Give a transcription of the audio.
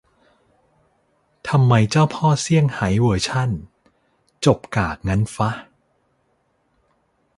ทำไมเจ้าพ่อเซี่ยงไฮ้เวอร์ขั่น จบกากงั้นฟะ